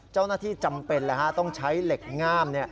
เจ้าหน้าที่จำเป็นต้องใช้เหล็กง่าม